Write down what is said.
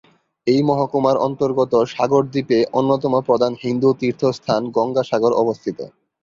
এই মহকুমার অন্তর্গত সাগর দ্বীপে অন্যতম প্রধান হিন্দু তীর্থস্থান গঙ্গাসাগর অবস্থিত।